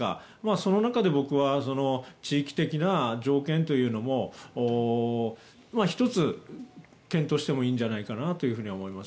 その中で僕は地域的な条件というのも１つ、検討してもいいんじゃないかなと思います。